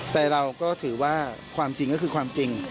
แต่เราก็ถือว่าความจริงก็คือความจริง